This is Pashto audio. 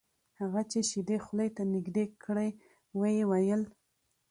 هغه چې شیدې خولې ته نږدې کړې ویې ویل: